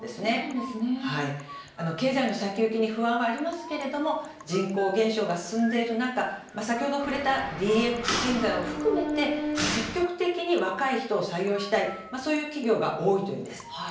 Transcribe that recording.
経済の先行きに不安はありますけれども人口減少が進んでいる中先ほど触れたＤＸ人材を含めて積極的に若い人を採用したいそういう企業が多いというのです。